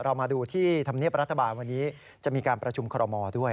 เรามาดูที่ธรรมเนียบรัฐบาลวันนี้จะมีการประชุมคอรมอลด้วย